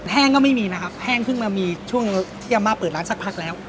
แห้งก็ไม่มีนะครับแห้งเพิ่งมามีช่วงที่อาม่าเปิดร้านสักพักแล้ว